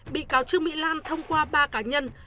bị cáo trương mỹ lan thông qua ba cá nhân